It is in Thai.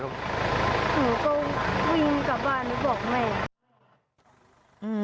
หนูก็วิ่งกลับบ้านไปบอกแม่